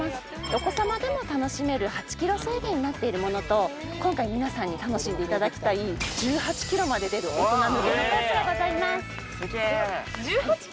お子さまでも楽しめる８ｋｍ制限になっているものと今回皆さんに楽しんでいただきたい１８ｋｍまで出る大人向けのコースがございます